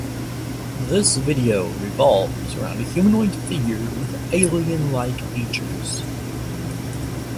The video revolves around a humanoid figure with alien-like features.